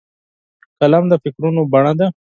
قلم د فکرونو بڼه ده